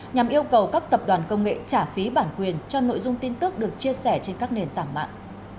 nhằm yêu cầu các tập đoàn công nghệ trả phí bản quyền cho nội dung tin tức được chia sẻ trên các nền tảng mạng